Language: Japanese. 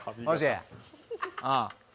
ああ？